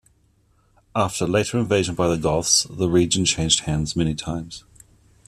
After later invasion by the Goths, the region changed hands many times.